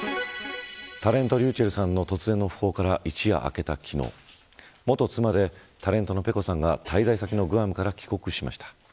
タレントｒｙｕｃｈｅｌｌさんの突然の訃報から一夜明けた昨日元妻でタレントのｐｅｃｏさんが滞在先のグアムから帰国しました。